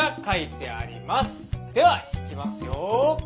では引きますよ。